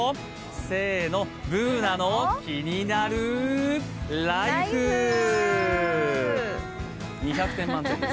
せーの、「ＢｏｏｎａのキニナルＬＩＦＥ」２００点満点です。